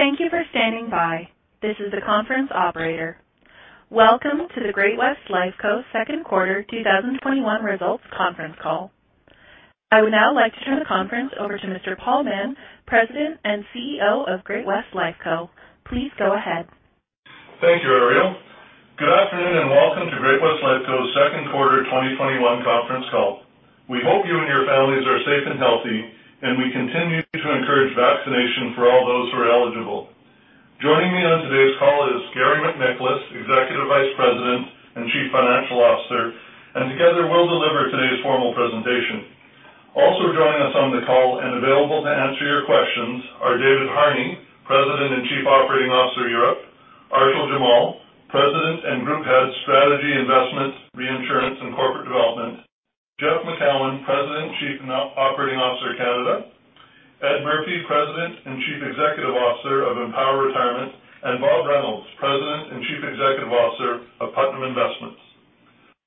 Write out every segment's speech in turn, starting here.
Thank you for standing by. This is the conference operator. Welcome to the Great-West Lifeco second quarter 2021 results conference call. I would now like to turn the conference over to Mr. Paul Mahon, President and CEO of Great-West Lifeco. Please go ahead. Thank you, Ariel. Good afternoon, and welcome to Great-West Lifeco's second quarter 2021 conference call. We hope you and your families are safe and healthy, and we continue to encourage vaccination for all those who are eligible. Joining me on today's call is Garry MacNicholas, Executive Vice-President and Chief Financial Officer, and together we'll deliver today's formal presentation. Also joining us on the call and available to answer your questions are David Harney, President and Chief Operating Officer, Europe; Arshil Jamal, President and Group Head, Strategy, Investment, Reinsurance, and Corporate Development; Jeff Macoun, President and Chief Operating Officer, Canada; Ed Murphy, President and Chief Executive Officer of Empower Retirement; and Robert Reynolds, President and Chief Executive Officer of Putnam Investments.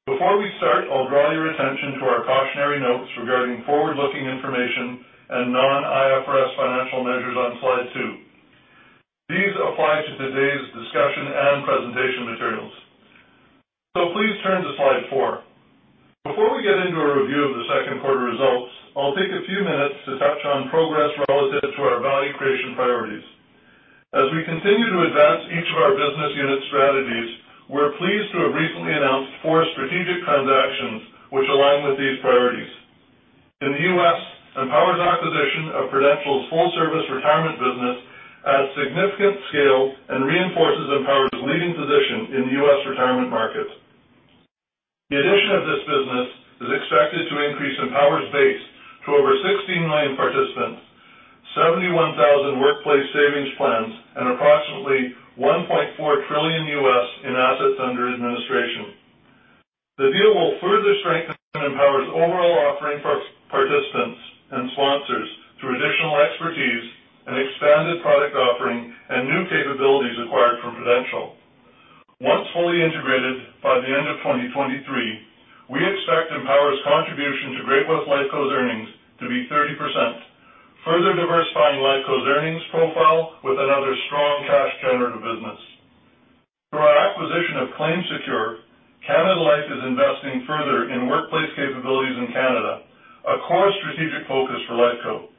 Before we start, I'll draw your attention to our cautionary notes regarding forward-looking information and non-IFRS financial measures on slide 2. These apply to today's discussion and presentation materials. Please turn to slide 4. Before we get into a review of the second quarter results, I'll take a few minutes to touch on progress relative to our value creation priorities. As we continue to advance each of our business unit strategies, we're pleased to have recently announced 4 strategic transactions which align with these priorities. In the U.S., Empower's acquisition of Prudential's full-service retirement business adds significant scale and reinforces Empower's leading position in the U.S. retirement market. The addition of this business is expected to increase Empower's base to over 16 million participants, 71,000 workplace savings plans, and approximately US $1.4 trillion in assets under administration. The deal will further strengthen Empower's overall offering for participants and sponsors through additional expertise and expanded product offering and new capabilities acquired from Prudential. Once fully integrated by the end of 2023, we expect Empower's contribution to Great-West Lifeco's earnings to be 30%, further diversifying Lifeco's earnings profile with another strong cash generative business. Through our acquisition of ClaimSecure, Canada Life is investing further in workplace capabilities in Canada, a core strategic focus for Lifeco.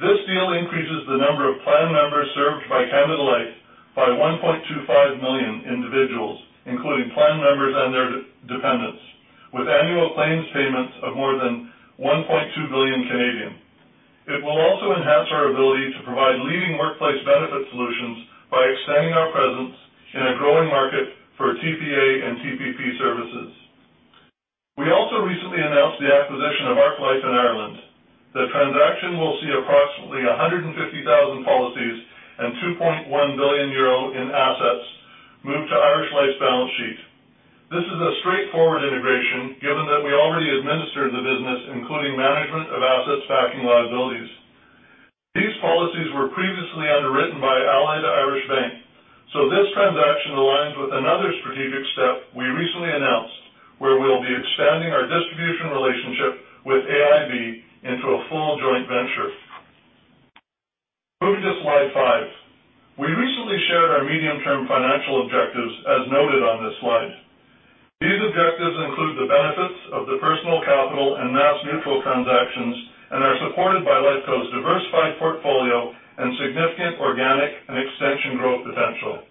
This deal increases the number of plan members served by Canada Life by 1.25 million individuals, including plan members and their dependents, with annual claims payments of more than 1.2 billion. It will also enhance our ability to provide leading workplace benefit solutions by extending our presence in a growing market for TPA and TPP services. We also recently announced the acquisition of Ark Life in Ireland. The transaction will see approximately 150,000 policies and €2.1 billion in assets move to Irish Life's balance sheet. This is a straightforward integration given that we already administer the business, including management of assets backing liabilities. These policies were previously underwritten by AIB, the Irish bank. This transaction aligns with another strategic step we recently announced where we'll be expanding our distribution relationship with AIB into a full joint venture. Moving to slide five. We recently shared our medium-term financial objectives as noted on this slide. These objectives include the benefits of the Personal Capital and MassMutual transactions and are supported by Lifeco's diversified portfolio and significant organic and extension growth potential.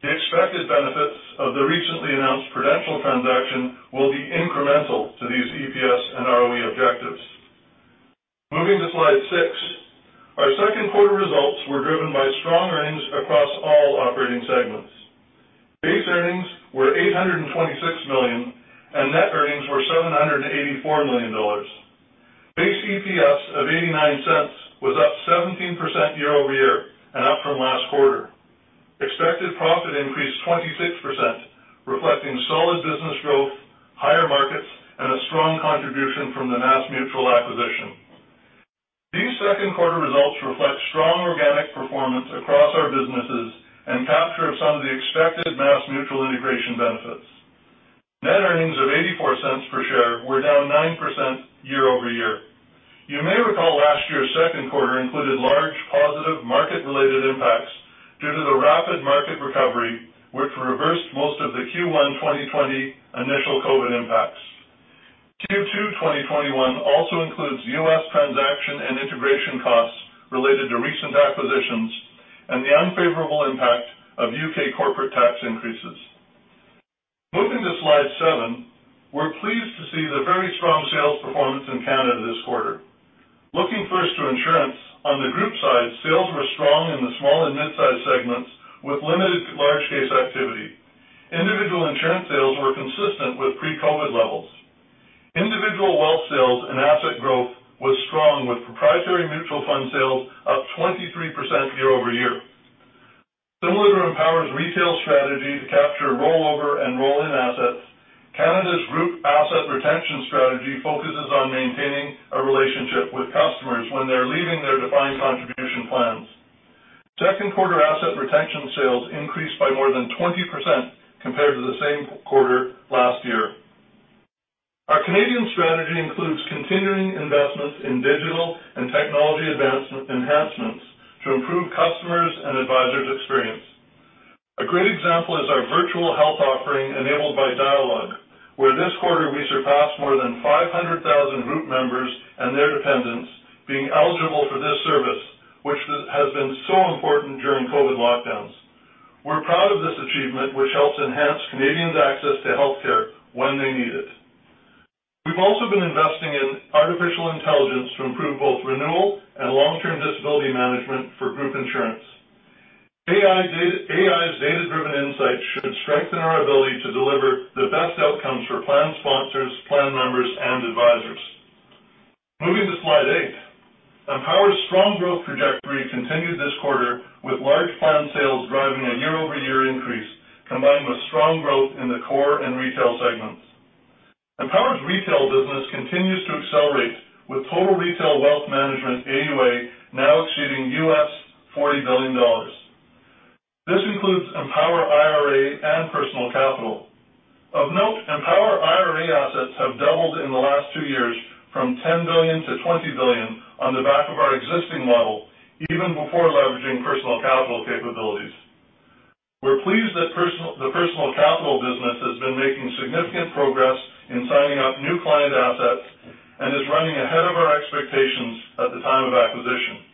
The expected benefits of the recently announced Prudential transaction will be incremental to these EPS and ROE objectives. Moving to slide six. Our second quarter results were driven by strong earnings across all operating segments. Base earnings were 826 million, and net earnings were $784 million. Base EPS of 0.89 was up 17% year-over-year and up from last quarter. Expected profit increased 26%, reflecting solid business growth, higher markets, and a strong contribution from the MassMutual acquisition. These second quarter results reflect strong organic performance across our businesses and capture of some of the expected MassMutual integration benefits. Net earnings of 0.84 per share were down 9% year-over-year. You may recall last year's second quarter included large positive market-related impacts due to the rapid market recovery, which reversed most of the Q1 2020 initial COVID impacts. Q2 2021 also includes U.S. transaction and integration costs related to recent acquisitions and the unfavorable impact of U.K. corporate tax increases. Moving to slide seven. We're pleased to see the very strong sales performance in Canada this quarter. Looking first to insurance, on the group side, sales were strong in the small and mid-size segments with limited large case activity. Individual insurance sales were consistent with pre-COVID levels. Individual wealth sales and asset growth was strong with proprietary mutual fund sales up 23% year-over-year. Similar to Empower's retail strategy to capture rollover and roll-in assets, Canada's group asset retention strategy focuses on maintaining a relationship with customers when they're leaving their defined contribution plans. Second quarter asset retention sales increased by more than 20% compared to the same quarter last year. Our Canadian strategy includes continuing investments in digital and technology advancement enhancements to improve customers' and advisors' experience. A great example is our virtual health offering enabled by Dialogue, where this quarter we surpassed more than 500,000 group members and their dependents being eligible for this service, which has been so important during COVID lockdowns. We're proud of this achievement, which helps enhance Canadians' access to healthcare when they need it. We've also been investing in artificial intelligence to improve both renewal and long-term disability management for group insurance. AI is data-driven insights should strengthen our ability to deliver the best outcomes for plan sponsors, plan members, and advisors. Moving to slide eight. Empower's strong growth trajectory continued this quarter with large plan sales driving a year-over-year increase, combined with strong growth in the core and retail segments. Empower's retail business continues to accelerate with total retail wealth management AUA now exceeding $40 billion. This includes Empower IRA and Personal Capital. Of note, Empower IRA assets have doubled in the last two years from $10 billion to $20 billion on the back of our existing model, even before leveraging Personal Capital capabilities. We're pleased that the Personal Capital business has been making significant progress in signing up new client assets and is running ahead of our expectations at the time of acquisition.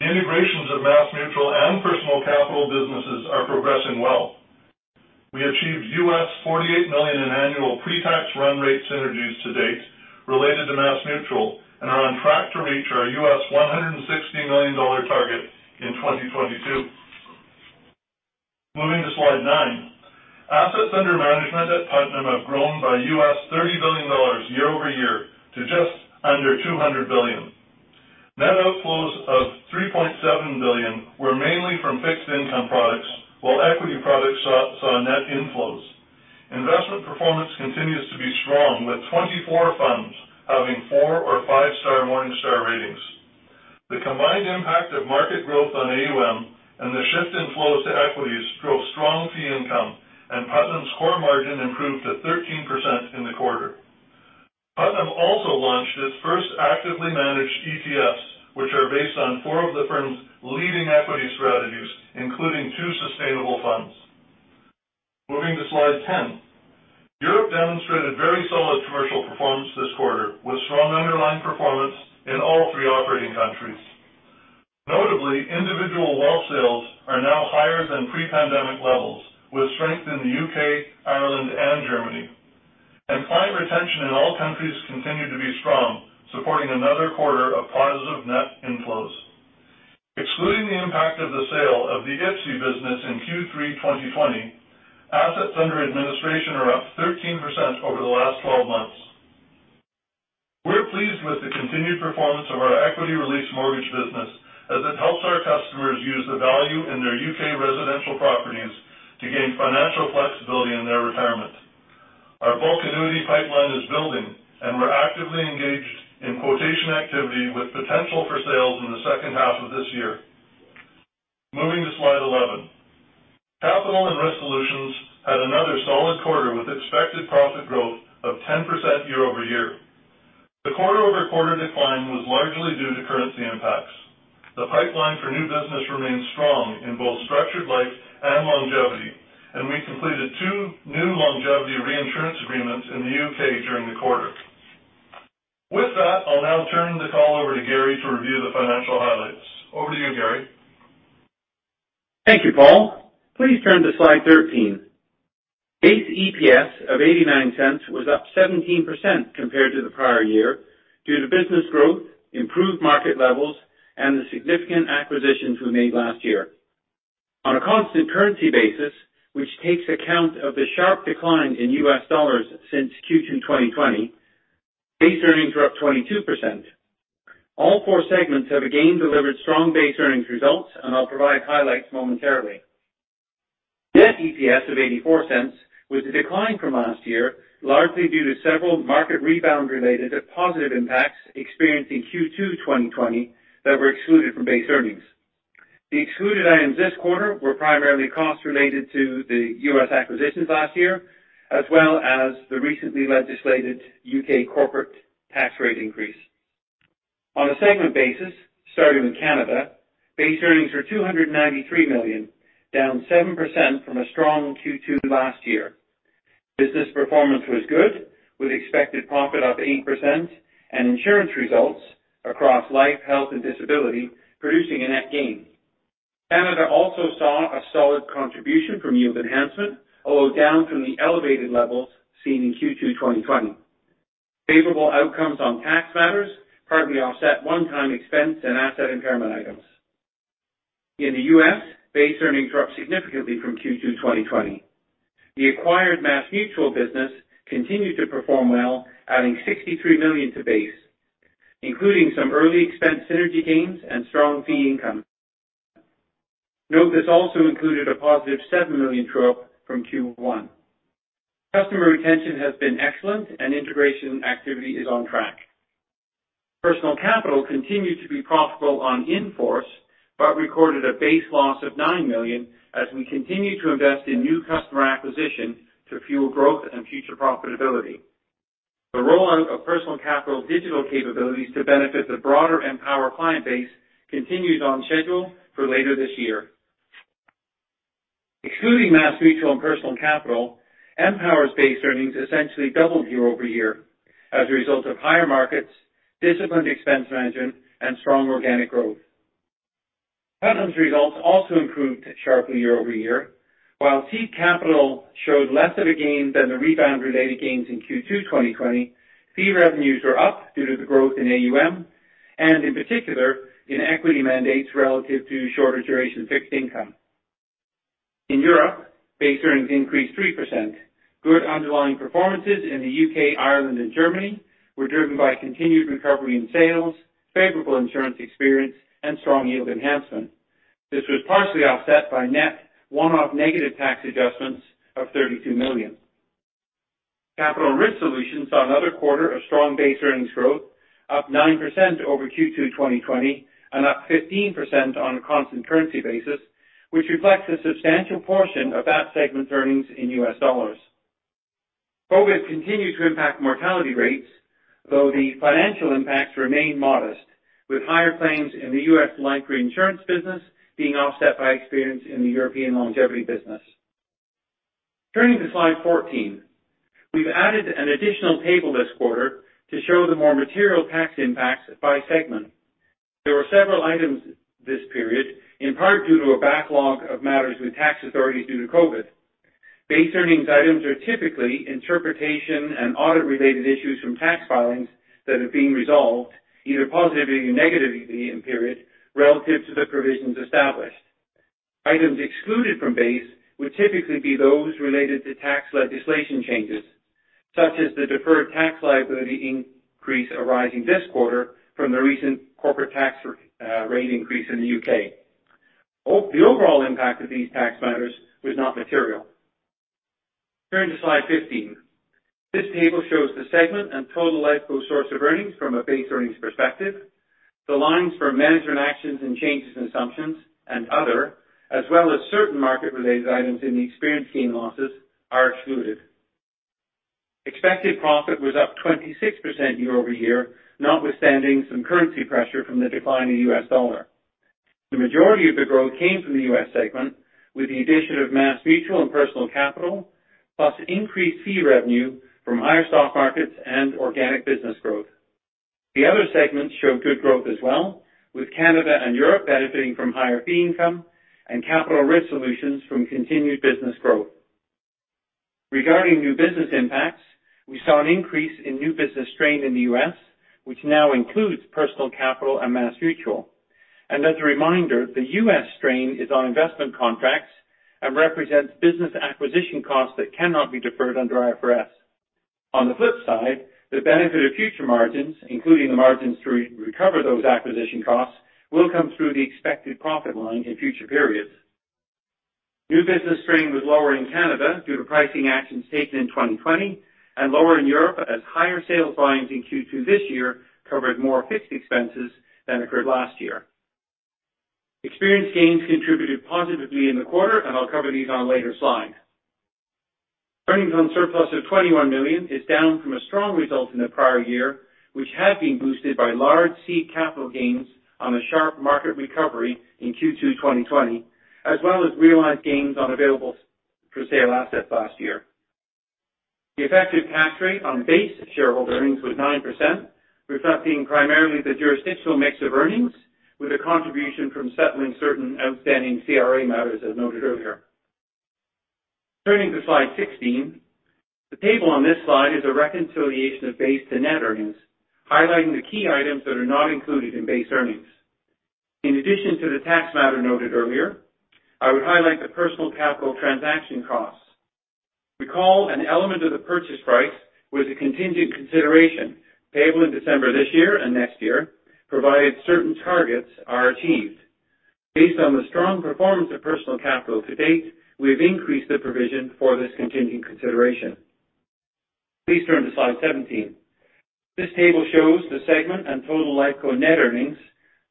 The integrations of MassMutual and Personal Capital businesses are progressing well. We achieved U.S. $48 million in annual pre-tax run rate synergies to date related to MassMutual and are on track to reach our U.S. $160 million target in 2022. Moving to slide 9. Assets under management at Putnam have grown by U.S. $30 billion year-over-year to just under $200 billion. Net outflows of $3.7 billion were mainly from fixed income products, while equity products saw net inflows. Investment performance continues to be strong with 24 funds having four or five-star Morningstar ratings. The combined impact of market growth on AUM and the shift in flows to equities drove strong fee income, and Putnam's core margin improved to 13% in the quarter. Putnam also launched its first actively managed ETFs, which are based on four of the firm's leading equity strategies, including two sustainable funds. Moving to slide 10. Europe demonstrated very solid commercial performance this quarter with strong underlying performance in all three operating countries. Notably, individual wealth sales are now higher than pre-pandemic levels with strength in the U.K., Ireland, and Germany. Client retention in all countries continued to be strong, supporting another quarter of positive net inflows. Excluding the impact of the sale of the IPSI business in Q3 2020, assets under administration are up 13% over the last 12 months. We're pleased with the continued performance of our equity release mortgage business as it helps our customers use the value in their U.K. residential properties to gain financial flexibility in their retirement. Our bulk annuity pipeline is building, and we're actively engaged in quotation activity with potential for sales in the second half of this year. Moving to slide 11. Capital and Risk Solutions had another solid quarter with expected profit growth of 10% year-over-year. The quarter-over-quarter decline was largely due to currency impacts. The pipeline for new business remains strong in both structured life and longevity, and we completed two new longevity reinsurance agreements in the U.K. during the quarter. With that, I'll now turn the call over to Garry to review the financial highlights. Over to you, Garry. Thank you, Paul. Please turn to slide 13. Base EPS of 0.89 was up 17% compared to the prior year due to business growth, improved market levels, and the significant acquisitions we made last year. On a constant currency basis, which takes account of the sharp decline in U.S. dollars since Q2 2020, base earnings were up 22%. All four segments have again delivered strong base earnings results, and I'll provide highlights momentarily. Net EPS of 0.84 was a decline from last year, largely due to several market rebound related to positive impacts experienced in Q2 2020 that were excluded from base earnings. The excluded items this quarter were primarily costs related to the U.S. acquisitions last year, as well as the recently legislated U.K. corporate tax rate increase. On a segment basis, starting with Canada, base earnings were 293 million, down 7% from a strong Q2 last year. Business performance was good with expected profit up 8% and insurance results across life, health, and disability producing a net gain. Canada also saw a solid contribution from yield enhancement, although down from the elevated levels seen in Q2 2020. Favorable outcomes on tax matters partly offset one-time expense and asset impairment items. In the U.S., base earnings were up significantly from Q2 2020. The acquired MassMutual business continued to perform well, adding 63 million to base, including some early expense synergy gains and strong fee income. Note this also included a positive 7 million drop from Q1. Customer retention has been excellent and integration activity is on track. Personal Capital continued to be profitable on in-force, but recorded a base loss of 9 million as we continue to invest in new customer acquisition to fuel growth and future profitability. The rollout of Personal Capital digital capabilities to benefit the broader Empower client base continues on schedule for later this year. Excluding MassMutual and Personal Capital, Empower's base earnings essentially doubled year-over-year as a result of higher markets, disciplined expense management, and strong organic growth. Putnam's results also improved sharply year-over-year, while seed capital showed less of a gain than the rebound-related gains in Q2 2020. Fee revenues were up due to the growth in AUM and, in particular, in equity mandates relative to shorter duration fixed income. In Europe, base earnings increased 3%. Good underlying performances in the U.K., Ireland, and Germany were driven by continued recovery in sales, favorable insurance experience, and strong yield enhancement. This was partially offset by net one-off negative tax adjustments of 32 million. Capital Risk Solutions saw another quarter of strong base earnings growth, up 9% over Q2 2020 and up 15% on a constant currency basis, which reflects a substantial portion of that segment's earnings in U.S. dollars. COVID continued to impact mortality rates, though the financial impacts remain modest, with higher claims in the U.S. life reinsurance business being offset by experience in the European longevity business. Turning to slide 14. We've added an additional table this quarter to show the more material tax impacts by segment. There were several items this period, in part due to a backlog of matters with tax authorities due to COVID. Base earnings items are typically interpretation and audit-related issues from tax filings that are being resolved, either positively or negatively in period, relative to the provisions established. Items excluded from base would typically be those related to tax legislation changes, such as the deferred tax liability increase arising this quarter from the recent corporate tax rate increase in the U.K. The overall impact of these tax matters was not material. Turning to slide 15. This table shows the segment and total life source of earnings from a base earnings perspective. The lines for management actions and changes in assumptions and other, as well as certain market-related items in the experience gain losses, are excluded. Expected profit was up 26% year-over-year, notwithstanding some currency pressure from the decline in the U.S. dollar. The majority of the growth came from the U.S. segment, with the addition of MassMutual and Personal Capital, plus increased fee revenue from higher stock markets and organic business growth. The other segments showed good growth as well, with Canada and Europe benefiting from higher fee income and Capital Risk Solutions from continued business growth. Regarding new business impacts, we saw an increase in new business strain in the U.S., which now includes Personal Capital and MassMutual. As a reminder, the U.S. strain is on investment contracts and represents business acquisition costs that cannot be deferred under IFRS. On the flip side, the benefit of future margins, including the margins to recover those acquisition costs, will come through the expected profit line in future periods. New business strain was lower in Canada due to pricing actions taken in 2020 and lower in Europe as higher sales volumes in Q2 this year covered more fixed expenses than occurred last year. Experience gains contributed positively in the quarter, and I'll cover these on a later slide. Earnings on surplus of 21 million is down from a strong result in the prior year, which had been boosted by large seed capital gains on the sharp market recovery in Q2 2020, as well as realized gains on available for sale assets last year. The effective tax rate on base shareholder earnings was 9%, reflecting primarily the jurisdictional mix of earnings, with a contribution from settling certain outstanding CRA matters, as noted earlier. Turning to slide 16. The table on this slide is a reconciliation of base to net earnings, highlighting the key items that are not included in base earnings. In addition to the tax matter noted earlier, I would highlight the Personal Capital transaction costs. Recall an element of the purchase price was a contingent consideration payable in December this year and next year, provided certain targets are achieved. Based on the strong performance of Personal Capital to date, we've increased the provision for this contingent consideration. Please turn to slide 17. This table shows the segment and total Lifeco net earnings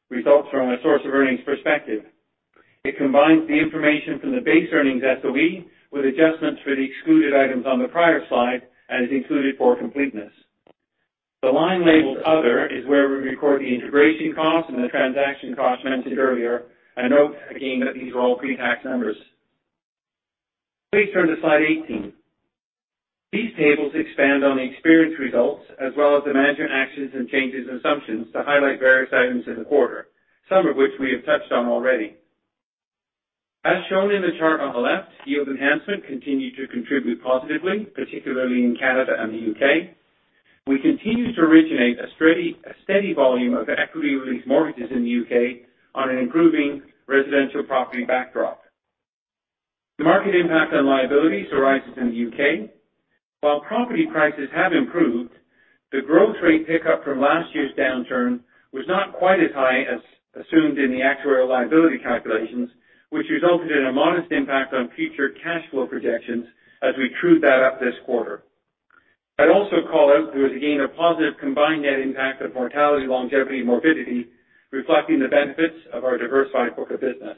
results from a source of earnings perspective. It combines the information from the base earnings SOE with adjustments for the excluded items on the prior slide and is included for completeness. The line labeled other is where we record the integration costs and the transaction costs mentioned earlier, and note again that these are all pre-tax numbers. Please turn to slide 18. These tables expand on the experience results as well as the management actions and changes in assumptions to highlight various items in the quarter, some of which we have touched on already. As shown in the chart on the left, yield enhancement continued to contribute positively, particularly in Canada and the U.K. We continue to originate a steady volume of equity release mortgages in the U.K. on an improving residential property backdrop. The market impact on liabilities arises in the U.K. While property prices have improved, the growth rate pickup from last year's downturn was not quite as high as assumed in the actuarial liability calculations, which resulted in a modest impact on future cash flow projections as we trued that up this quarter. I'd also call out there was, again, a positive combined net impact of mortality, longevity, and morbidity, reflecting the benefits of our diversified book of business.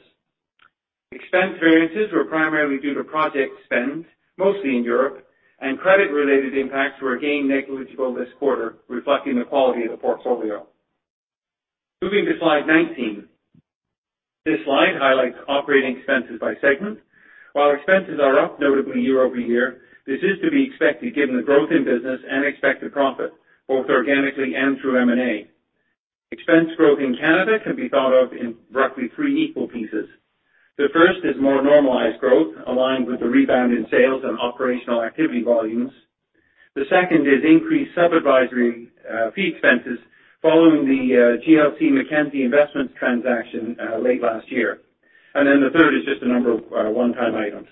Expense variances were primarily due to project spend, mostly in Europe, and credit-related impacts were again negligible this quarter, reflecting the quality of the portfolio. Moving to slide 19. This slide highlights operating expenses by segment. While expenses are up notably year-over-year, this is to be expected given the growth in business and expected profit, both organically and through M&A. Expense growth in Canada can be thought of in roughly three equal pieces. The first is more normalized growth aligned with the rebound in sales and operational activity volumes. The second is increased sub-advisory fee expenses following the GLC Mackenzie Investments transaction late last year. The third is just a number of one-time items.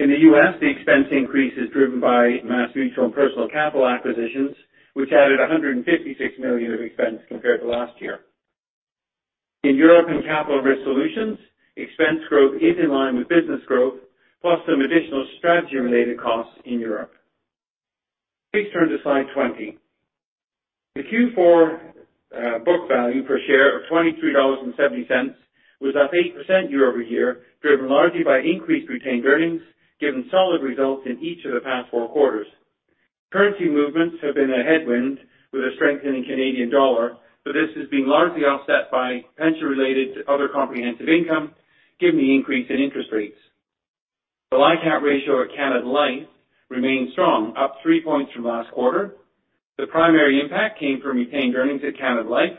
In the U.S., the expense increase is driven by MassMutual and Personal Capital acquisitions, which added 156 million of expense compared to last year. In Europe and Capital Risk Solutions, expense growth is in line with business growth, plus some additional strategy-related costs in Europe. Please turn to slide 20. The Q4 book value per share of 23.70 dollars was up 8% year-over-year, driven largely by increased retained earnings, given solid results in each of the past four quarters. Currency movements have been a headwind with a strengthening Canadian dollar, but this is being largely offset by pension-related to other comprehensive income given the increase in interest rates. The LICAT ratio at Canada Life remains strong, up three points from last quarter. The primary impact came from retained earnings at Canada Life.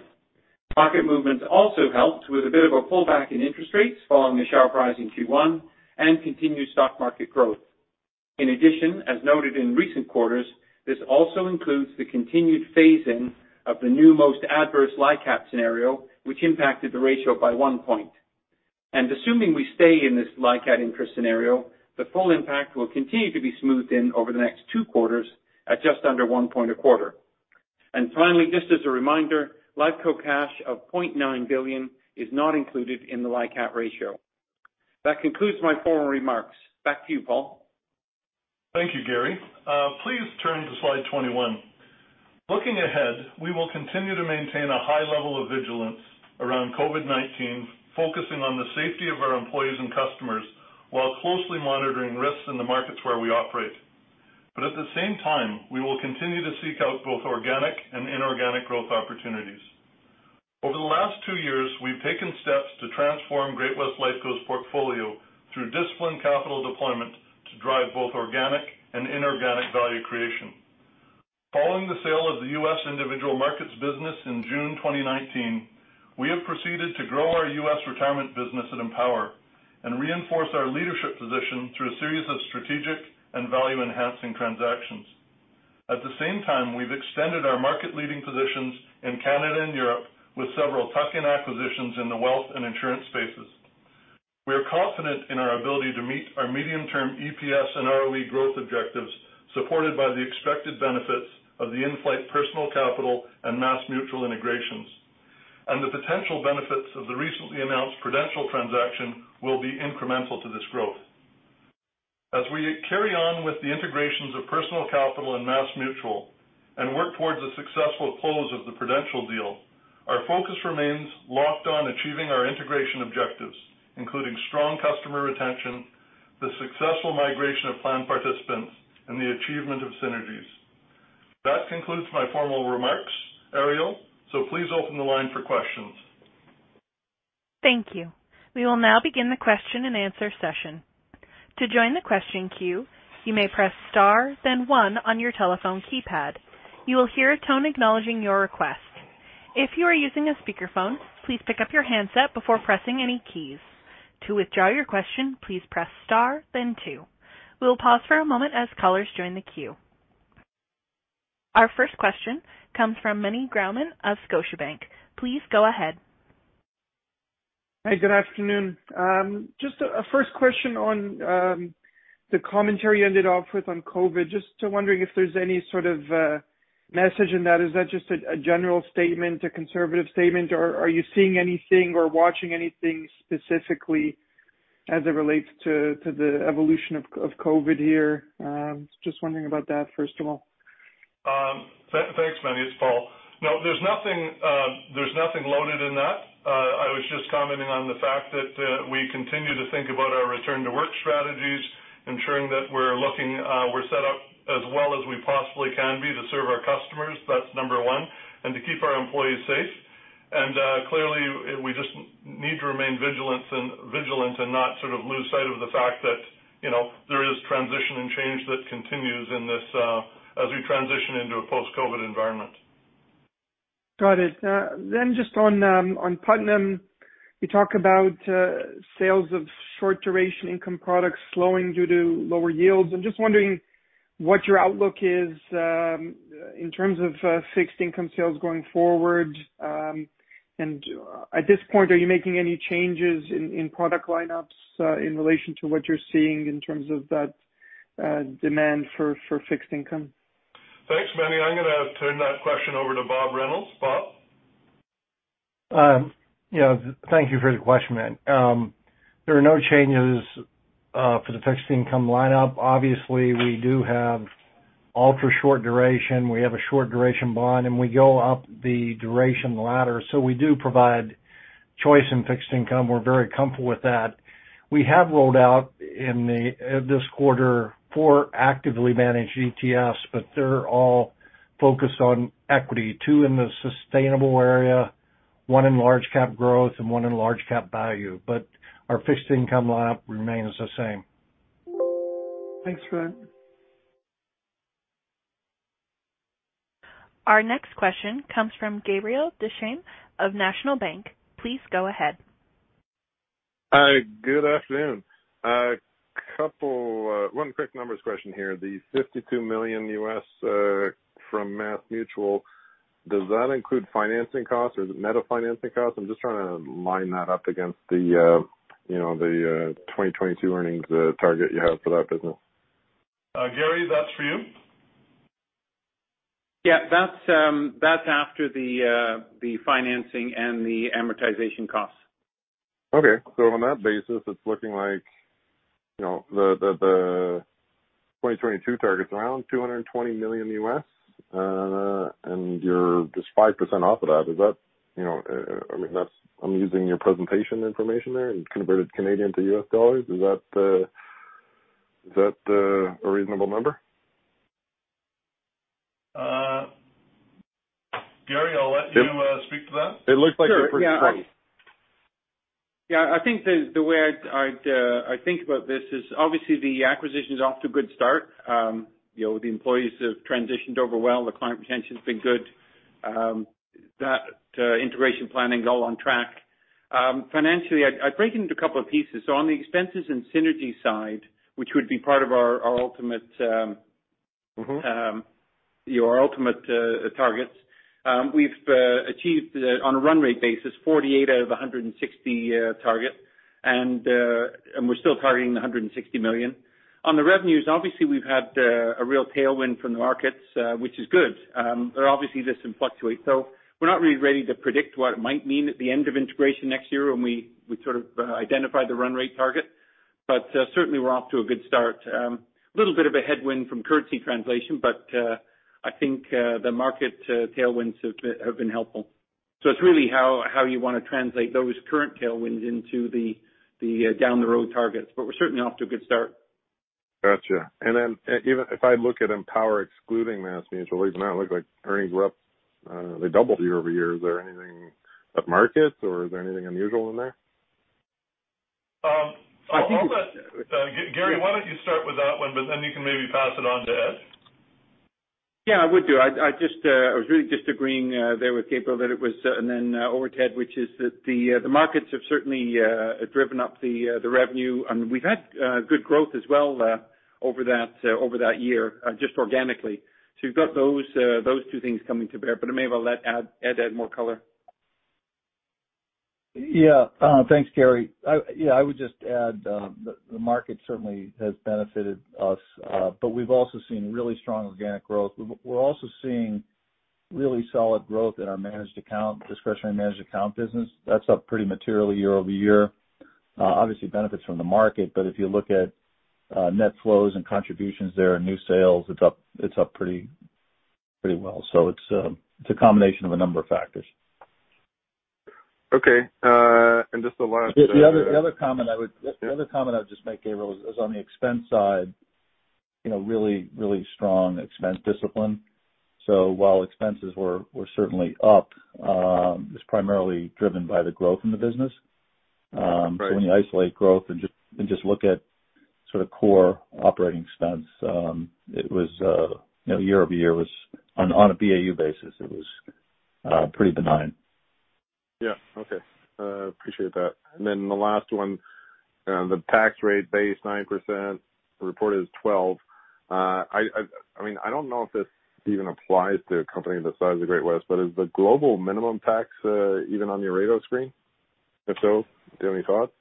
Market movements also helped with a bit of a pullback in interest rates following the sharp rise in Q1 and continued stock market growth. In addition, as noted in recent quarters, this also includes the continued phase-in of the new most adverse LICAT scenario, which impacted the ratio by 1 point. Assuming we stay in this LICAT interest scenario, the full impact will continue to be smoothed in over the next 14 quarters at just under 1 point a quarter. Finally, just as a reminder, Lifeco cash of 0.9 billion is not included in the LICAT ratio. That concludes my formal remarks. Back to you, Paul. Thank you, Garry. Please turn to slide 21. Looking ahead, we will continue to maintain a high level of vigilance around COVID-19, focusing on the safety of our employees and customers while closely monitoring risks in the markets where we operate. At the same time, we will continue to seek out both organic and inorganic growth opportunities. Over the last two years, we've taken steps to transform Great-West Lifeco's portfolio through disciplined capital deployment to drive both organic and inorganic value creation. Following the sale of the U.S. individual life insurance and annuity business in June 2019, we have proceeded to grow our U.S. retirement business at Empower and reinforce our leadership position through a series of strategic and value-enhancing transactions. At the same time, we've extended our market-leading positions in Canada and Europe with several tuck-in acquisitions in the wealth and insurance spaces. We are confident in our ability to meet our medium-term EPS and ROE growth objectives, supported by the expected benefits of the in-flight Personal Capital and MassMutual integrations. The potential benefits of the recently announced Prudential transaction will be incremental to this growth. As we carry on with the integrations of Personal Capital and MassMutual and work towards a successful close of the Prudential deal, our focus remains locked on achieving our integration objectives, including strong customer retention, the successful migration of plan participants, and the achievement of synergies. That concludes my formal remarks, Ariel, so please open the line for questions. Thank you. We will now begin the question and answer session. Our first question comes from Meny Grauman of Scotiabank. Please go ahead. Hi, good afternoon. Just a first question on the commentary you ended off with on COVID. Just wondering if there's any sort of message in that. Is that just a general statement, a conservative statement, or are you seeing anything or watching anything specifically as it relates to the evolution of COVID here? Just wondering about that, first of all. Thanks, Meny. It's Paul. No, there's nothing loaded in that. I was just commenting on the fact that we continue to think about our return-to-work strategies, ensuring that we're set up as well as we possibly can be to serve our customers, that's number one, and to keep our employees safe. Clearly, we just need to remain vigilant and not sort of lose sight of the fact that there is transition and change that continues in this as we transition into a post-COVID environment. Got it. Just on Putnam, you talk about sales of short-duration income products slowing due to lower yields. I'm just wondering what your outlook is in terms of fixed income sales going forward. At this point, are you making any changes in product lineups in relation to what you're seeing? demand for fixed income. Thanks, Meny. I'm going to turn that question over to Robert Reynolds. Bob? Thank you for the question, Mahon. There are no changes for the fixed income lineup. Obviously, we do have ultra short duration. We have a short duration bond, and we go up the duration ladder. We do provide choice in fixed income. We are very comfortable with that. We have rolled out in this quarter four actively managed ETFs, but they are all focused on equity. Two in the sustainable area, one in large cap growth and one in large cap value. Our fixed income lineup remains the same. Thanks, Robert. Our next question comes from Gabriel Dechaine of National Bank. Please go ahead. Good afternoon. One quick numbers question here. The U.S. $52 million from MassMutual, does that include financing costs or net of financing costs? I'm just trying to line that up against the 2022 earnings target you have for that business. Garry, that's for you. Yeah. That's after the financing and the amortization costs. Okay. On that basis, it's looking like the 2022 target's around $220 million U.S., and you're just 5% off of that. I'm using your presentation information there and converted Canadian to U.S. dollars. Is that a reasonable number? Garry, I'll let you speak to that. It looks like it for 2020. Sure. Yeah, I think the way I think about this is obviously the acquisition's off to a good start. The employees have transitioned over well. The client retention's been good. That integration planning is all on track. Financially, I'd break it into a couple of pieces. On the expenses and synergy side, which would be part of our. targets, we've achieved on a run rate basis, 48 out of 160 target. We're still targeting the 160 million. On the revenues, obviously, we've had a real tailwind from the markets, which is good. Obviously this can fluctuate, so we're not really ready to predict what it might mean at the end of integration next year when we sort of identify the run rate target. Certainly we're off to a good start. A little bit of a headwind from currency translation, but I think the market tailwinds have been helpful. It's really how you want to translate those current tailwinds into the down the road targets. We're certainly off to a good start. Got you. Then, if I look at Empower excluding MassMutual, even that looked like earnings were up, they doubled year-over-year. Is there anything up markets or is there anything unusual in there? Garry, why don't you start with that one, but then you can maybe pass it on to Ed. Yeah, I would do. I was really just agreeing there with Gabriel and then over to Ed, which is that the markets have certainly driven up the revenue. We've had good growth as well over that year just organically. You've got those two things coming to bear. I may well let Ed add more color. Thanks, Garry. I would just add the market certainly has benefited us. We've also seen really strong organic growth. We're also seeing really solid growth in our discretionary managed account business. That's up pretty materially year-over-year. Obviously benefits from the market. If you look at net flows and contributions there and new sales, it's up pretty well. It's a combination of a number of factors. Okay. The other comment I would just make, Gabriel, is on the expense side, really strong expense discipline. While expenses were certainly up, it was primarily driven by the growth in the business. Right. When you isolate growth and just look at sort of core operating expense, year-over-year on a BAU basis, it was pretty benign. Yeah. Okay. Appreciate that. The last one, the tax rate base 9%, reported as 12%. I don't know if this even applies to a company the size of Great-West, but is the global minimum tax even on your radar screen? If so, do you have any thoughts?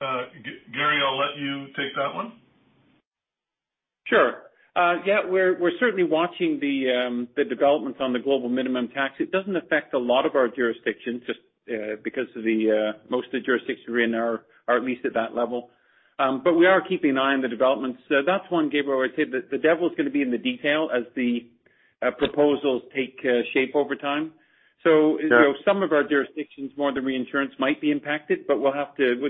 Garry, I'll let you take that one. Sure. Yeah, we're certainly watching the developments on the global minimum tax. It doesn't affect a lot of our jurisdictions just because most of the jurisdictions we're in are at least at that level. We are keeping an eye on the developments. That's one, Gabriel, where I'd say the devil's going to be in the detail as the proposals take shape over time. Sure. Some of our jurisdictions, more the reinsurance might be impacted, but we'll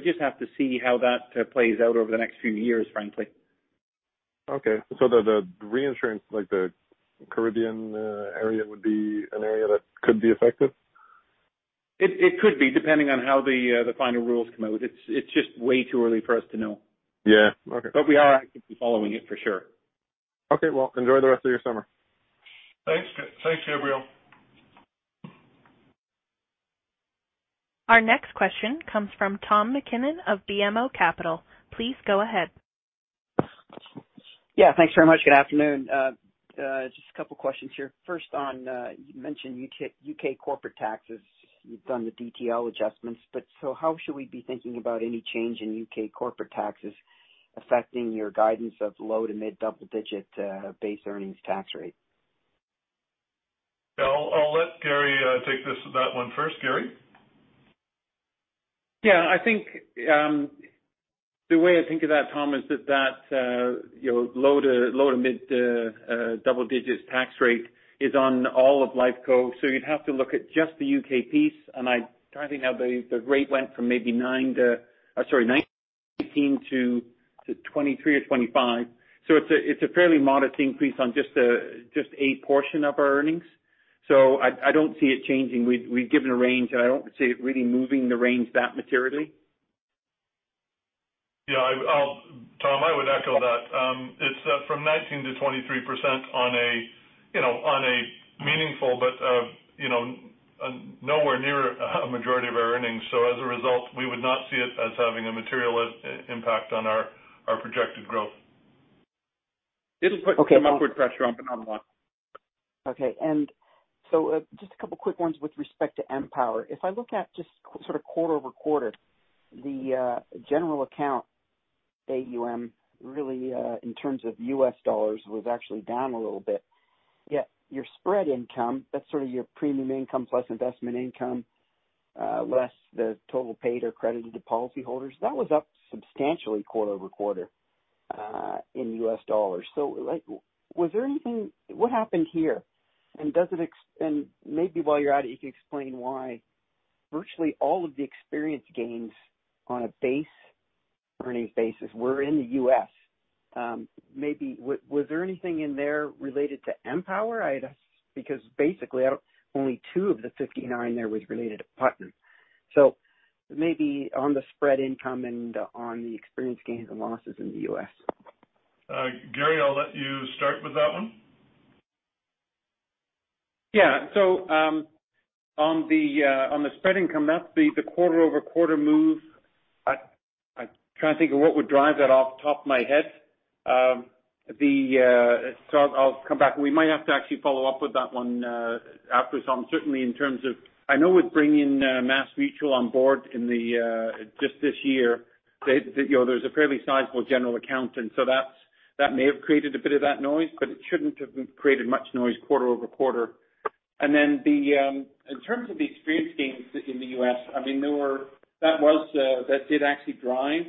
just have to see how that plays out over the next few years, frankly. Okay. The reinsurance, like the Caribbean area, would be an area that could be affected? It could be, depending on how the final rules come out. It's just way too early for us to know. Yeah. Okay. We are actively following it for sure. Okay. Well, enjoy the rest of your summer. Thanks, Gabriel. Our next question comes from Tom MacKinnon of BMO Capital. Please go ahead. Yeah. Thanks very much. Good afternoon. Just a couple of questions here. First on, you mentioned U.K. corporate taxes. You've done the DTL adjustments. How should we be thinking about any change in U.K. corporate taxes affecting your guidance of low to mid double-digit base earnings tax rate? I'll let Garry take that one first. Garry? Yeah. The way I think of that, Tom, is that low to mid double-digits tax rate is on all of Lifeco. You'd have to look at just the U.K. piece, and I'm trying to think now, the rate went from maybe 19 to 23 or 25. It's a fairly modest increase on just a portion of our earnings. I don't see it changing. We've given a range, and I don't see it really moving the range that materially. Yeah. Tom, I would echo that. It's from 19% to 23% on a meaningful but nowhere near a majority of our earnings. As a result, we would not see it as having a material impact on our projected growth. It'll put some upward pressure on but not a lot. Okay. Just a couple quick ones with respect to Empower. If I look at just sort of quarter-over-quarter, the general account AUM, really, in terms of U.S. dollars, was actually down a little bit. Yet your spread income, that's sort of your premium income plus investment income, less the total paid or credited to policyholders, that was up substantially quarter-over-quarter in U.S. dollars. What happened here? Maybe while you're at it, you can explain why virtually all of the experience gains on a base earnings basis were in the U.S. Maybe was there anything in there related to Empower? Because basically, only 2 of the 59 there was related to Putnam. Maybe on the spread income and on the experience gains and losses in the U.S. Garry, I'll let you start with that one. Yeah. On the spread income, that's the quarter-over-quarter move. I'm trying to think of what would drive that off the top of my head. I'll come back. We might have to actually follow up with that one after, Tom. Certainly in terms of, I know with bringing MassMutual on board just this year, there's a fairly sizable general account. That may have created a bit of that noise, but it shouldn't have created much noise quarter-over-quarter. In terms of the experience gains in the U.S., that did actually drive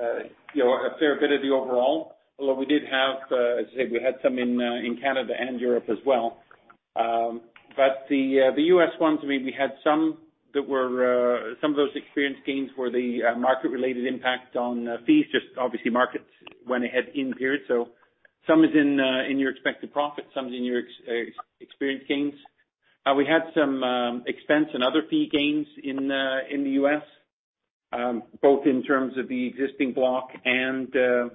a fair bit of the overall. Although we did have, as I said, we had some in Canada and Europe as well. The U.S. ones, we had some of those experience gains were the market-related impact on fees, just obviously markets went ahead in period. Some is in your expected profit, some is in your experience gains. We had some expense and other fee gains in the U.S., both in terms of the existing block and the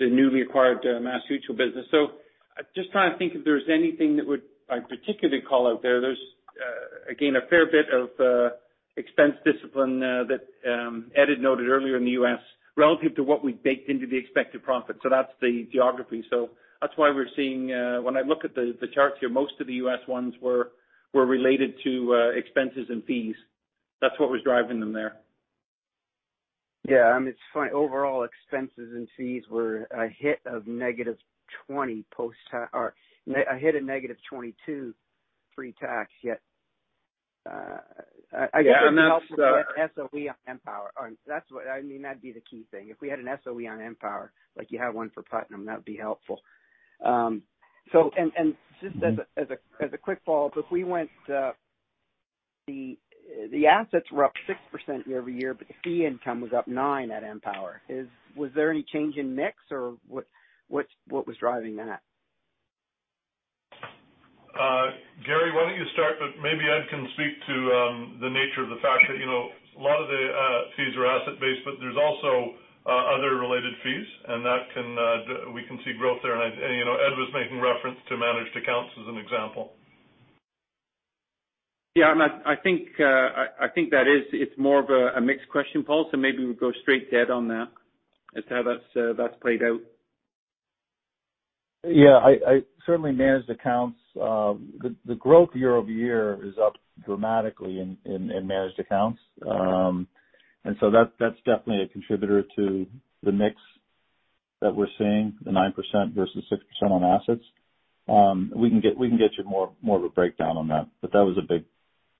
newly acquired MassMutual business. Just trying to think if there's anything that I'd particularly call out there. There's again, a fair bit of expense discipline that Ed had noted earlier in the U.S. relative to what we baked into the expected profit. That's the geography. That's why we're seeing, when I look at the charts here, most of the U.S. ones were related to expenses and fees. That's what was driving them there. Yeah. It's funny, overall expenses and fees were a hit of negative 20 post or a hit of negative 22 pre-tax yet. Yeah. SOE on Empower. That'd be the key thing. If we had an SOE on Empower, like you have one for Putnam, that would be helpful. Just as a quick follow-up, the assets were up 6% year-over-year, but the fee income was up 9 at Empower. Was there any change in mix or what was driving that? Garry, why don't you start. Maybe Ed can speak to the nature of the fact that a lot of the fees are asset-based, but there's also other related fees, and we can see growth there. Ed was making reference to managed accounts as an example. Yeah. I think that it's more of a mixed question, Paul. Maybe we go straight to Ed on that, as to how that's played out. Yeah. Certainly managed accounts. The growth year-over-year is up dramatically in managed accounts. That's definitely a contributor to the mix that we're seeing, the 9% versus 6% on assets. We can get you more of a breakdown on that. That was a big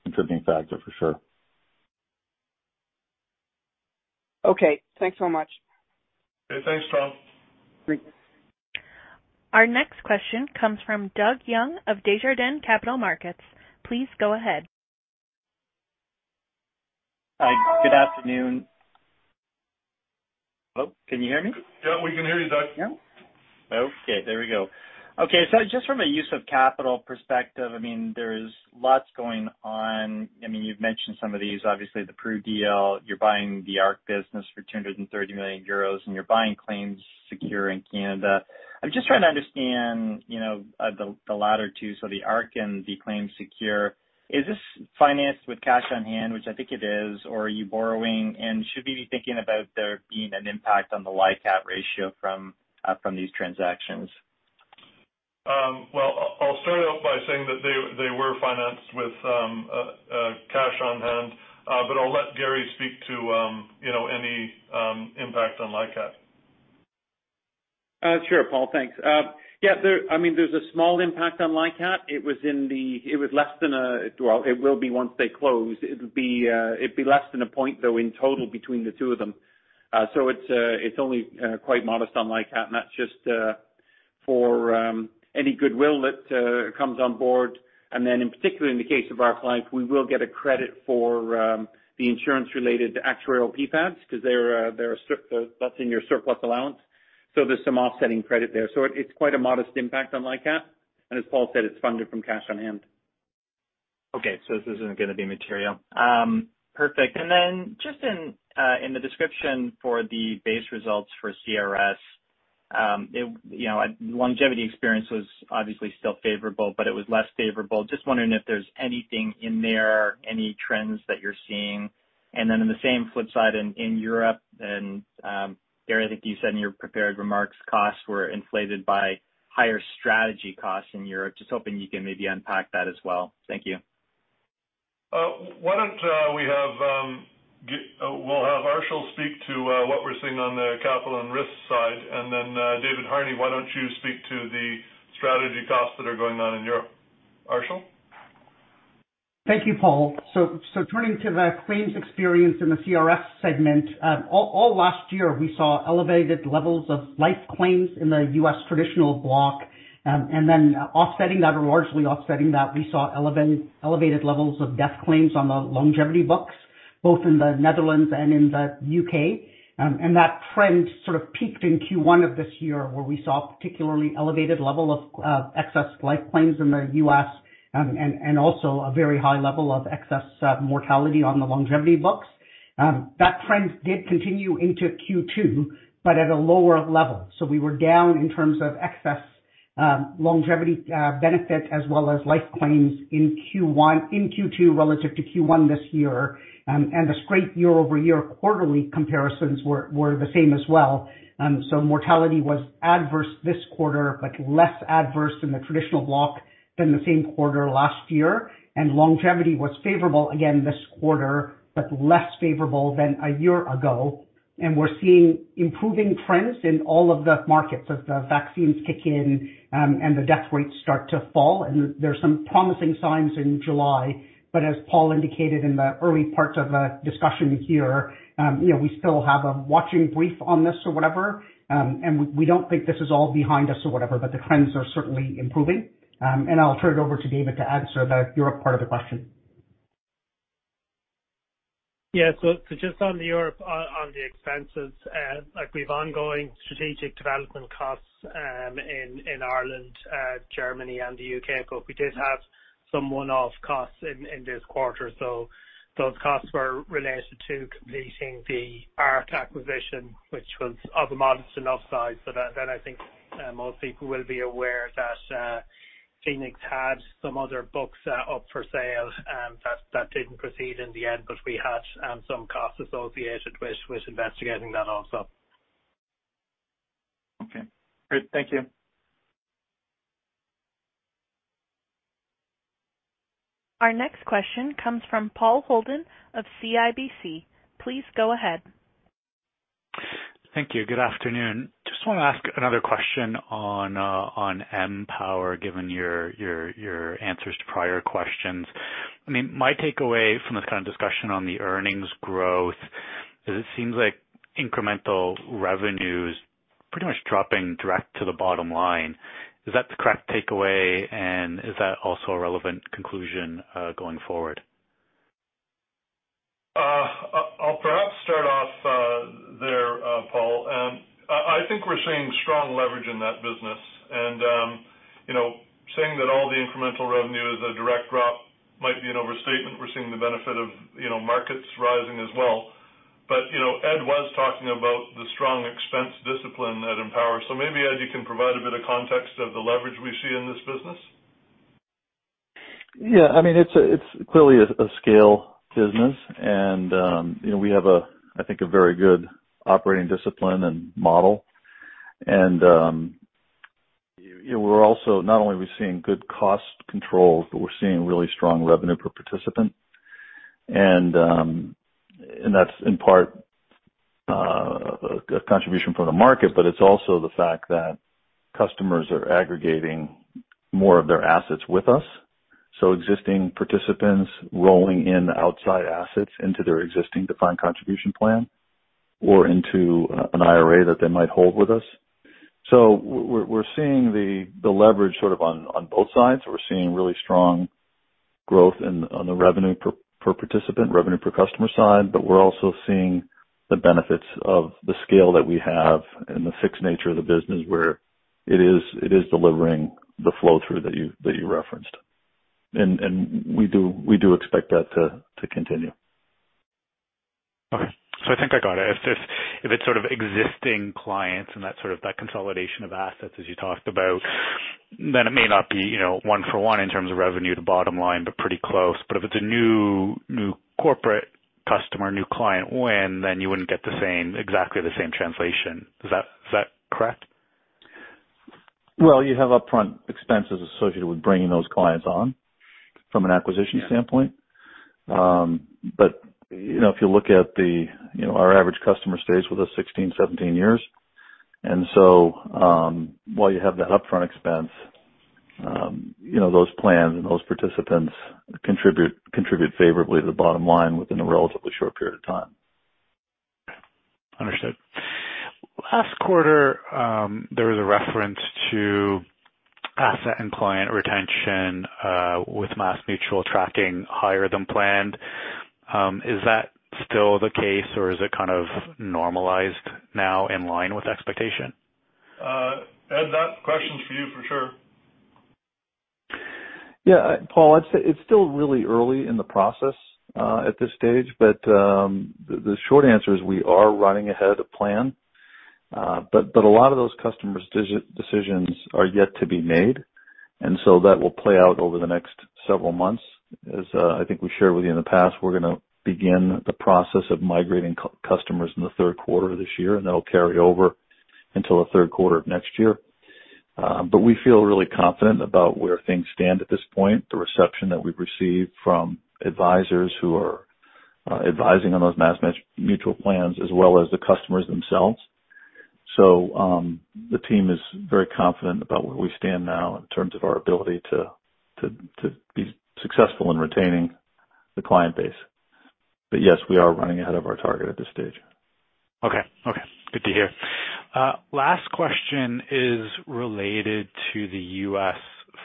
contributing factor for sure. Okay. Thanks so much. Okay. Thanks, Tom. Great. Our next question comes from Doug Young of Desjardins Capital Markets. Please go ahead. Hi. Good afternoon. Hello, can you hear me? Yeah, we can hear you, Doug. Okay, there we go. Just from a use of capital perspective, there's lots going on. You've mentioned some of these, obviously the Pru deal, you're buying the Ark business for 230 million euros, and you're buying ClaimSecure in Canada. I'm just trying to understand the latter two, so the Ark and the ClaimSecure. Is this financed with cash on hand, which I think it is, or are you borrowing? Should we be thinking about there being an impact on the LICAT ratio from these transactions? Well, I'll start out by saying that they were financed with cash on hand. I'll let Garry speak to any impact on LICAT. Sure, Paul, thanks. Yeah, there's a small impact on LICAT. It will be once they close. It'd be less than a point, though, in total between the two of them. It's only quite modest on LICAT, and that's just for any goodwill that comes on board. In particular, in the case of Ark Life, we will get a credit for the insurance-related actuarial PfADs because that's in your surplus allowance. There's some offsetting credit there. It's quite a modest impact on LICAT. As Paul said, it's funded from cash on hand. This isn't going to be material. Perfect. Just in the description for the base results for CRS, longevity experience was obviously still favorable, but it was less favorable. Just wondering if there's anything in there, any trends that you're seeing. In the same flip side in Europe and, Garry, I think you said in your prepared remarks, costs were inflated by higher strategy costs in Europe. Just hoping you can maybe unpack that as well. Thank you. Why don't we have Arshil speak to what we're seeing on the capital and risk side. David Harney, why don't you speak to the strategy costs that are going on in Europe. Arshil? Thank you, Paul. Turning to the claims experience in the CRS segment. All last year, we saw elevated levels of life claims in the U.S. traditional block. Offsetting that, or largely offsetting that, we saw elevated levels of death claims on the longevity books, both in the Netherlands and in the U.K. That trend sort of peaked in Q1 of this year, where we saw a particularly elevated level of excess life claims in the U.S. and also a very high level of excess mortality on the longevity books. That trend did continue into Q2, but at a lower level. We were down in terms of excess longevity benefit as well as life claims in Q2 relative to Q1 this year. The straight year-over-year quarterly comparisons were the same as well. Mortality was adverse this quarter, but less adverse in the traditional block than the same quarter last year. Longevity was favorable again this quarter, but less favorable than a year ago. We're seeing improving trends in all of the markets as the vaccines kick in and the death rates start to fall. There's some promising signs in July, but as Paul indicated in the early part of the discussion here, we still have a watching brief on this or whatever, and we don't think this is all behind us or whatever, but the trends are certainly improving. I'll turn it over to David to answer the Europe part of the question. Just on the Europe, on the expenses, we have ongoing strategic development costs in Ireland, Germany, and the U.K. We did have some one-off costs in this quarter. Those costs were related to completing the Ark Life acquisition, which was of a modest enough size so that I think most people will be aware that Phoenix had some other books up for sale that didn't proceed in the end, but we had some costs associated with investigating that also. Okay, great. Thank you. Our next question comes from Paul Holden of CIBC. Please go ahead. Thank you. Good afternoon. I want to ask another question on Empower, given your answers to prior questions. My takeaway from this kind of discussion on the earnings growth is it seems like incremental revenues pretty much dropping direct to the bottom line. Is that the correct takeaway? Is that also a relevant conclusion going forward? I'll perhaps start off there, Paul. I think we're seeing strong leverage in that business. Saying that all the incremental revenue is a direct drop might be an overstatement. We're seeing the benefit of markets rising as well. Ed was talking about the strong expense discipline at Empower. Maybe, Ed, you can provide a bit of context of the leverage we see in this business. It's clearly a scale business, and we have, I think, a very good operating discipline and model. Not only are we seeing good cost control, but we're seeing really strong revenue per participant. That's in part a contribution from the market, but it's also the fact that customers are aggregating more of their assets with us. Existing participants rolling in outside assets into their existing defined contribution plan or into an IRA that they might hold with us. We're seeing the leverage sort of on both sides. We're seeing really strong growth on the revenue per participant, revenue per customer side, but we're also seeing the benefits of the scale that we have and the fixed nature of the business, where it is delivering the flow-through that you referenced. We do expect that to continue. I think I got it. If it's sort of existing clients and that sort of consolidation of assets as you talked about, then it may not be one for one in terms of revenue to bottom line, but pretty close. If it's a new corporate customer, new client win, then you wouldn't get exactly the same translation. Is that correct? You have upfront expenses associated with bringing those clients on from an acquisition standpoint. Yeah. If you look at our average customer stays with us 16, 17 years. While you have that upfront expense, those plans and those participants contribute favorably to the bottom line within a relatively short period of time. Understood. Last quarter, there was a reference to asset and client retention, with MassMutual tracking higher than planned. Is that still the case or is it kind of normalized now in line with expectation? Ed, that question's for you, for sure. Paul, I'd say it's still really early in the process, at this stage, but the short answer is we are running ahead of plan. A lot of those customers' decisions are yet to be made, and so that will play out over the next several months. As I think we shared with you in the past, we're going to begin the process of migrating customers in the third quarter of this year, and that'll carry over until the third quarter of next year. We feel really confident about where things stand at this point, the reception that we've received from advisors who are advising on those MassMutual plans, as well as the customers themselves. The team is very confident about where we stand now in terms of our ability to be successful in retaining the client base. Yes, we are running ahead of our target at this stage. Okay. Good to hear. Last question is related to the U.S.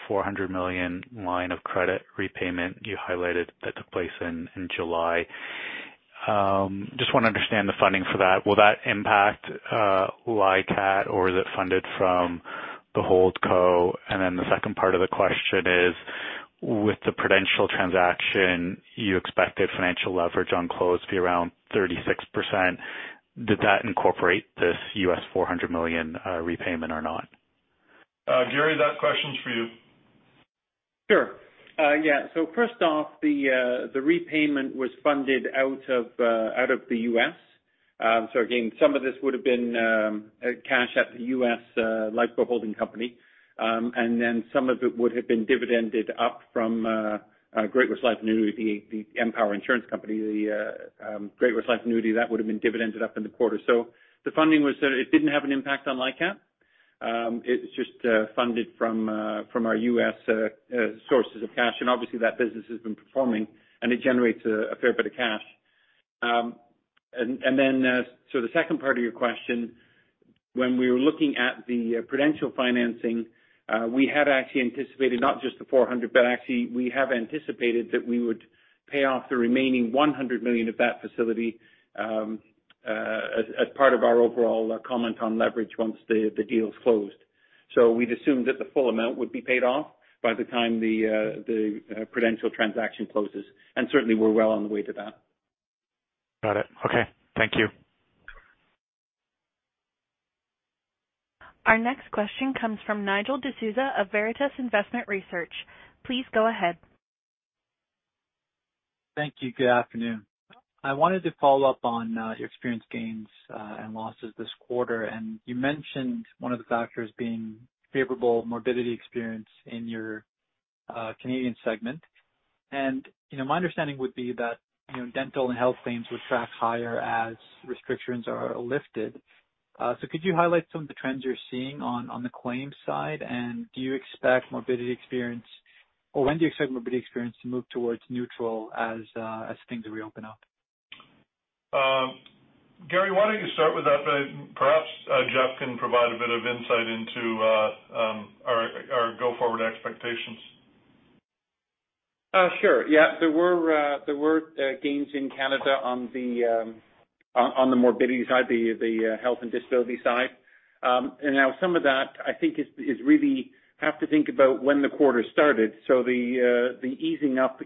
$400 million line of credit repayment you highlighted that took place in July. Just want to understand the funding for that. Will that impact LICAT, or is it funded from the holdco? The second part of the question is: with the Prudential transaction, you expected financial leverage on close to be around 36%. Did that incorporate this U.S. $400 million repayment or not? Garry, that question's for you. Sure. Yeah. So first off, the repayment was funded out of the U.S. Again, some of this would've been cash at the U.S. Lifeco holding company. Then some of it would've been dividended up from Great-West Life & Annuity, Empower, Great-West Life & Annuity, that would've been dividended up in the quarter. The funding was sort of, it didn't have an impact on LICAT. It was just funded from our U.S. sources of cash, and obviously that business has been performing, and it generates a fair bit of cash. Then, the second part of your question, when we were looking at the Prudential financing, we had actually anticipated not just the 400, but actually we have anticipated that we would pay off the remaining 100 million of that facility as part of our overall comment on leverage once the deal's closed. We'd assumed that the full amount would be paid off by the time the Prudential transaction closes. Certainly we're well on the way to that. Got it. Okay. Thank you. Our next question comes from Nigel D'Souza of Veritas Investment Research. Please go ahead. Thank you. Good afternoon. I wanted to follow up on your experience gains and losses this quarter. You mentioned one of the factors being favorable morbidity experience in your Canadian segment. My understanding would be that dental and health claims would track higher as restrictions are lifted. Could you highlight some of the trends you're seeing on the claims side, and do you expect morbidity experience, or when do you expect morbidity experience to move towards neutral as things reopen up? Garry, why don't you start with that, and perhaps Jeff can provide a bit of insight into our go-forward expectations. Sure. Yeah, there were gains in Canada on the morbidity side, the health and disability side. Now some of that I think is really have to think about when the quarter started. The easing up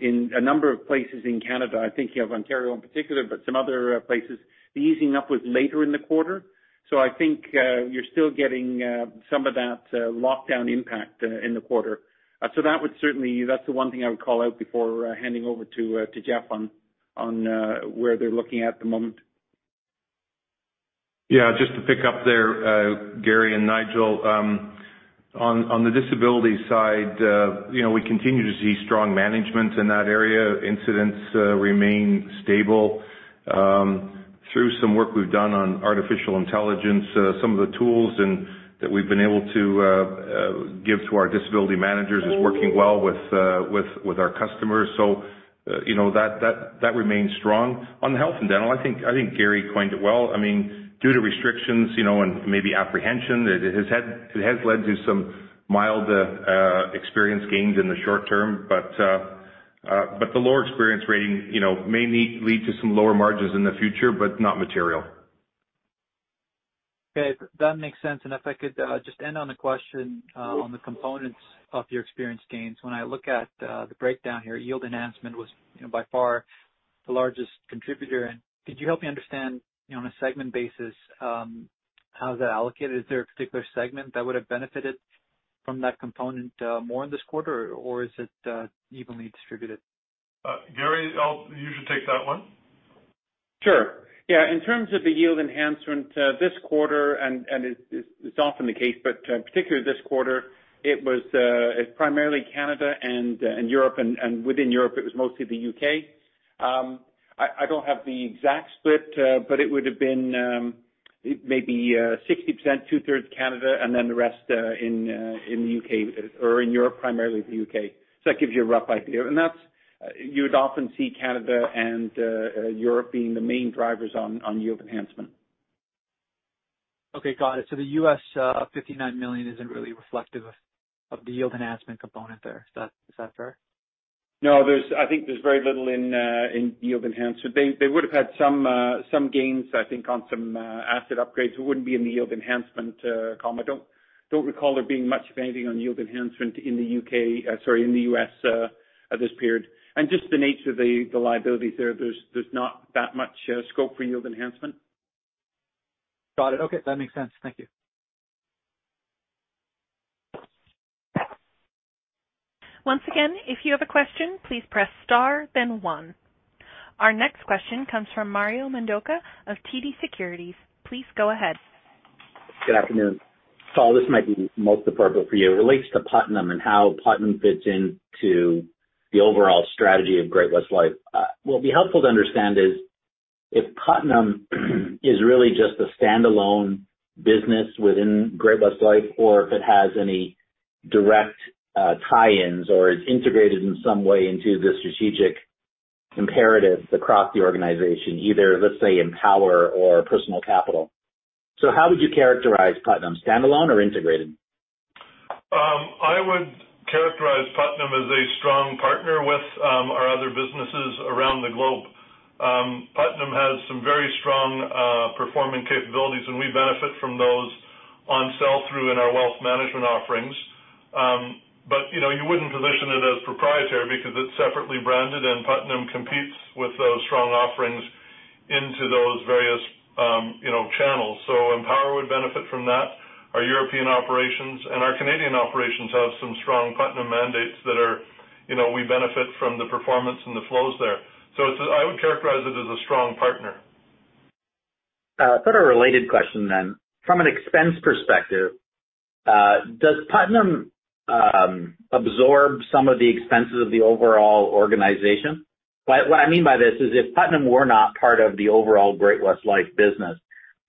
in a number of places in Canada, I think you have Ontario in particular, but some other places, the easing up was later in the quarter. I think you're still getting some of that lockdown impact in the quarter. That's the one thing I would call out before handing over to Jeff on where they're looking at the moment. Yeah, just to pick up there, Garry and Nigel, on the disability side, we continue to see strong management in that area. Incidents remain stable. Through some work we've done on artificial intelligence, some of the tools that we've been able to give to our disability managers is working well with our customers. That remains strong. On the health and dental, I think Garry coined it well. Due to restrictions and maybe apprehension, it has led to some mild experience gains in the short term. The lower experience rating may lead to some lower margins in the future, but not material. Okay. That makes sense. If I could just end on the question on the components of your experience gains. When I look at the breakdown here, yield enhancement was by far the largest contributor. Could you help me understand, on a segment basis, how is that allocated? Is there a particular segment that would have benefited from that component more in this quarter or is it evenly distributed? Garry, you should take that one. Sure. Yeah. In terms of the yield enhancement this quarter, and it's often the case, but particularly this quarter, it was primarily Canada and Europe, and within Europe it was mostly the U.K. I don't have the exact split, but it would have been maybe 60%, two-thirds Canada and then the rest in the U.K. or in Europe, primarily the U.K. That gives you a rough idea. You would often see Canada and Europe being the main drivers on yield enhancement. Okay. Got it. The U.S., $59 million isn't really reflective of the yield enhancement component there. Is that fair? I think there's very little in yield enhancement. They would have had some gains, I think, on some asset upgrades. It wouldn't be in the yield enhancement column. I don't recall there being much of anything on yield enhancement in the U.S. at this period. Just the nature of the liabilities there's not that much scope for yield enhancement. Got it. Okay. That makes sense. Thank you. Once again, if you have a question, please press star then one. Our next question comes from Mario Mendonca of TD Securities. Please go ahead. Good afternoon. Paul, this might be most appropriate for you. It relates to Putnam and how Putnam fits into the overall strategy of Great-West Life. What would be helpful to understand is if Putnam is really just a standalone business within Great-West Life, or if it has any direct tie-ins or is integrated in some way into the strategic imperatives across the organization, either, let's say, Empower or Personal Capital. How would you characterize Putnam, standalone or integrated? I would characterize Putnam as a strong partner with our other businesses around the globe. Putnam has some very strong performing capabilities, and we benefit from those on sell-through in our wealth management offerings. You wouldn't position it as proprietary because it's separately branded, and Putnam competes with those strong offerings into those various channels. Empower would benefit from that. Our European operations and our Canadian operations have some strong Putnam mandates that we benefit from the performance and the flows there. I would characterize it as a strong partner. Sort of related question. From an expense perspective, does Putnam absorb some of the expenses of the overall organization? What I mean by this is if Putnam were not part of the overall Great-West Life business,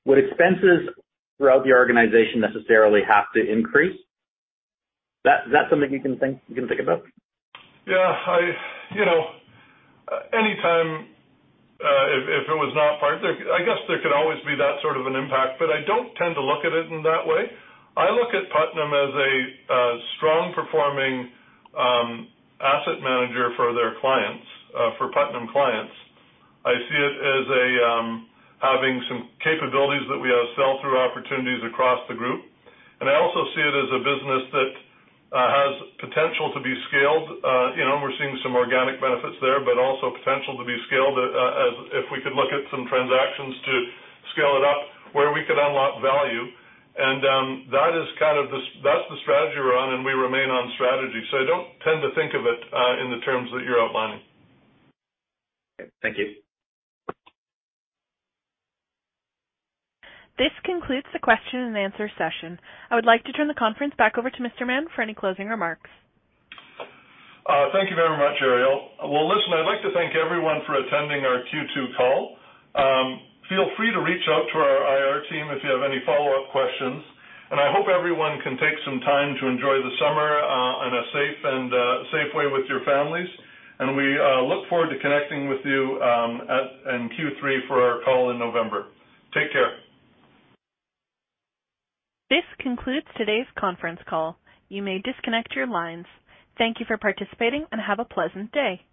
would expenses throughout the organization necessarily have to increase? Is that something you can think about? Yeah. Anytime, if it was not part, I guess there could always be that sort of an impact, but I don't tend to look at it in that way. I look at Putnam as a strong performing asset manager for their clients, for Putnam clients. I see it as having some capabilities that we have sell-through opportunities across the group, and I also see it as a business that has potential to be scaled. We're seeing some organic benefits there, but also potential to be scaled if we could look at some transactions to scale it up where we could unlock value. That's the strategy we're on, and we remain on strategy. I don't tend to think of it in the terms that you're outlining. Okay. Thank you. This concludes the question and answer session. I would like to turn the conference back over to Mr. Mahon for any closing remarks. Thank you very much, Ariel. Well, listen, I'd like to thank everyone for attending our Q2 call. Feel free to reach out to our IR team if you have any follow-up questions, and I hope everyone can take some time to enjoy the summer in a safe way with your families. We look forward to connecting with you in Q3 for our call in November. Take care. This concludes today's conference call. You may disconnect your lines. Thank you for participating and have a pleasant day.